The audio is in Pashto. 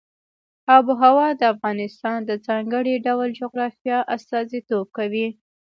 آب وهوا د افغانستان د ځانګړي ډول جغرافیه استازیتوب کوي.